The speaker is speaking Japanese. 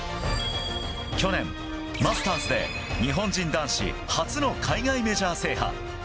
去年、マスターズで日本人男子初の海外メジャー制覇。